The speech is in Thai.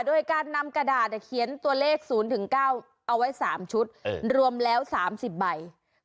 โดยการนำกระดาษเขียนตัวเลข๐๙เอาไว้๓ชุดรวมแล้ว๓๐ใบ